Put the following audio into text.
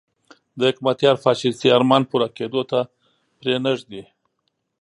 د حکمتیار فاشیستي ارمان پوره کېدو ته پرې نه ږدي.